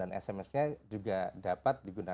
untuk mengakses konten kita bisa mengakses konten